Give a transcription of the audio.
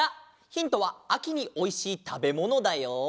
ヒントはあきにおいしいたべものだよ。